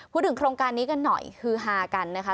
โครงการนี้กันหน่อยฮือฮากันนะคะ